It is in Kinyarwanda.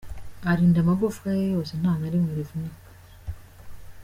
Arinda amagufwa ye yose, Nta na rimwe rivunika.